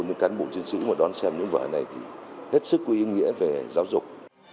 những cán bộ chiến sĩ mà đón xem những vở này thì hết sức có ý nghĩa về giáo dục